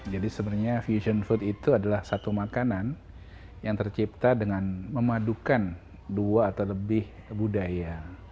jadi sebenarnya fusion food itu adalah satu makanan yang tercipta dengan memadukan dua atau lebih budaya